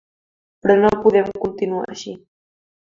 Però no podem continuar així.